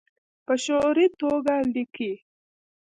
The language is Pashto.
په شعوري توګه لیکي